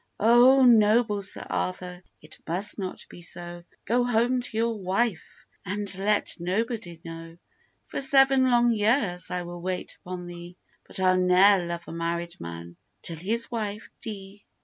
'Oh, noble Sir Arthur, it must not be so, Go home to your wife, and let nobody know; For seven long years I will wait upon thee, But I'll ne'er love a married man till his wife dee.